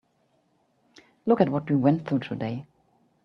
Look at what we went through today.